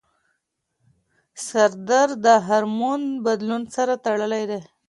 سردرد د هارمون بدلون سره تړلی دی.